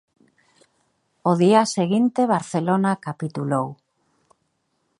O día seguinte Barcelona capitulou.